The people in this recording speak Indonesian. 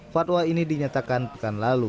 fatwa ini dinyatakan pekan lalu